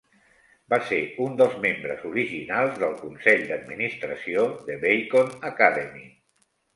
Va ser un dels membres originals del consell d'administració de Bacon Academy.